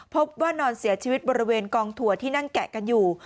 พบว่านอนเสียชีวิตบริเวณกองถั่วที่นั่งแกะกันอยู่